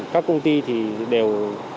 các công ty đều